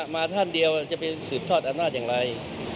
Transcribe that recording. มาท่านเดียวจะเป็นสื่นทอดอันร่อยอย่างไร